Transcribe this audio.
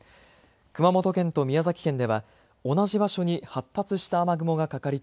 熊本県と宮崎県では同じ場所に発達した雨雲がかかり